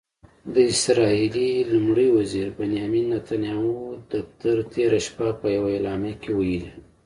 د اسرائیلي لومړي وزیر بنیامن نتنیاهو دفتر تېره شپه په یوه اعلامیه کې ویلي